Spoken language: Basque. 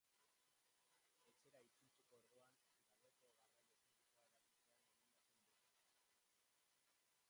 Etxera itzultzeko orduan, gaueko garraio publikoa erabiltzea gomendatzen dute.